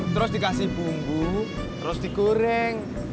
terus dikasih bumbu terus digoreng